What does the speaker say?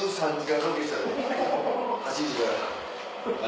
８時から。